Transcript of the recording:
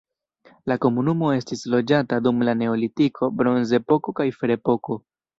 La komunumo estis loĝata dum la neolitiko, bronzepoko kaj ferepoko.